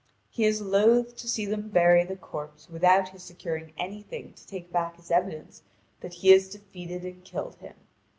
He is loath to see them bury the corpse without his securing anything to take back as evidence that he has defeated and killed him.